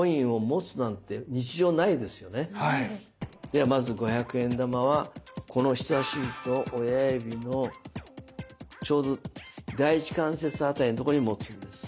ではまず５００円玉はこの人差し指と親指のちょうど第一関節辺りのとこに持つんです。